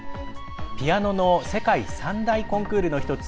ピアノの世界３大コンクールの１つ